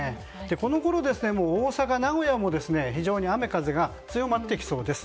このころ大阪や名古屋も雨風が強まってきそうです。